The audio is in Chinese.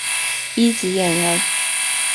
一级演员。